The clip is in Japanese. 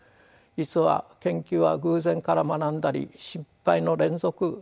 実は研究は偶然から学んだり失敗の連続なのです。